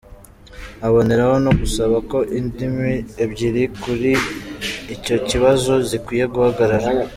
Aboneraho no gusaba ko indimi ebyiri kuri icyo kibazo zikwiye guhagarara.